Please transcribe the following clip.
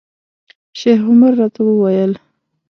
شیخ عمر راته وویل.